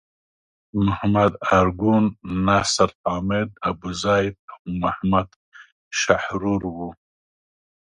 محمد ارګون، نصر حامد ابوزید او محمد شحرور وو.